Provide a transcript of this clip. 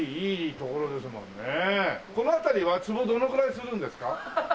この辺りは坪どのくらいするんですか？